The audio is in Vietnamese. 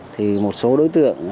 thì một số đối tượng